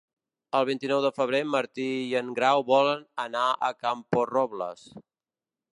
El vint-i-nou de febrer en Martí i en Grau volen anar a Camporrobles.